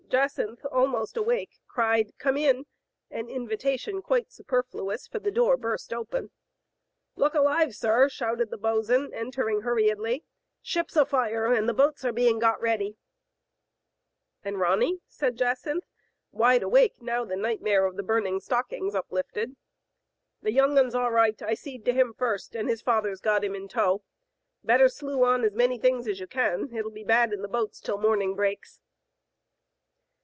Jacynth, almost awake, cried "Come in,*' an invitation quite superfluous, for the door was burst open. Look alive, sir!" shouted the bos'n, entering hurriedly. "Ship's afire, and the boats are being got ready ! "And Ronny?" said Jacynth, wide awake now the nightmare of the burning stockings uplifted. "The young un's all right, I seed to him first, and his father'^ got him in tow. Better slew on as many things as you can. It'll be bad in the boats till morning breaks."